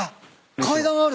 階段ある。